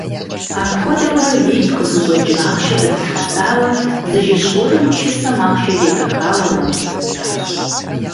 Апхуэдэурэ витӀ къызыщӀэкӀын ахъшэ зэхуихьэсауэ, зы жэщ гуэрым чысэм ахъшэр ирахауэ нэху къекӀащ.